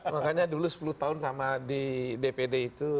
makanya dulu sepuluh tahun sama di dpd itu